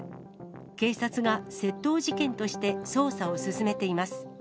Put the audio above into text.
警察が窃盗事件として捜査を進めています。